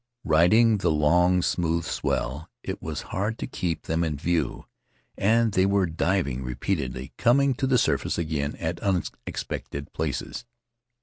Riding the long, smooth swell, it was hard to keep them in view, and they were diving repeatedly, coming to the surface again at unexpected places.